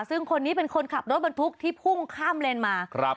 ซึ่งคนนี้เป็นคนขับรถบรรทุกที่พุ่งข้ามเลนมา